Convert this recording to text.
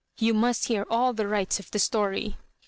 You must hear all the rights of the story.